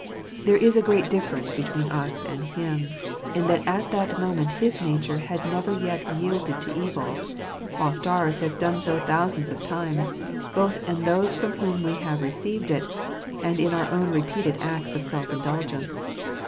There is a great difference between us and him, in that at that moment his nature had never yet yielded to evil ; whilst ours has done so thousands of times, both in those from whom we have received it, and in our own repeated acts of self indulgence.